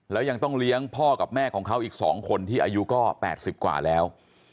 แล้วยังต้องเลี้ยงพ่อกับแม่ของเขาอีก๒คนที่อายุก็๘๐กว่าแล้ว